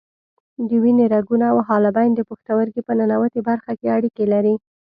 د وینې رګونه او حالبین د پښتورګي په ننوتي برخه کې اړیکې لري.